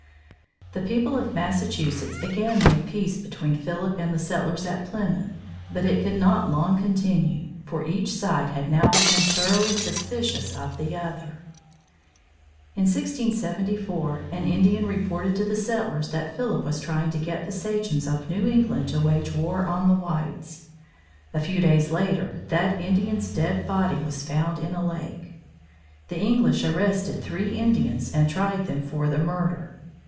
The people of Massachusetts again made peace between Philip and the settlers at Plymouth. But it could not long continue, for each side had now become thoroughly suspicious of the other. In 1674, an Indian reported to the settlers that Philip was trying to get the sachems of New England to wage war on the whites. A few days later, that Indian's dead body was found in a lake. The English arrested three Indians and tried them for the murder.